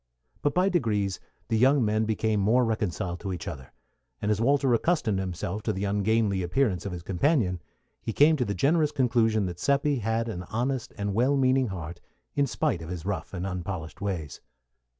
But by degrees the young men became more reconciled to each other; and as Walter accustomed himself to the ungainly appearance of his companion, he came to the generous conclusion that Seppi had an honest and well meaning heart in spite of his rough and unpolished ways.